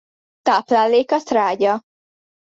Tápláléka trágya.